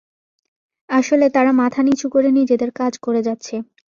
আসলে, তারা মাথা নিচু করে নিজেদের কাজ করে যাচ্ছে।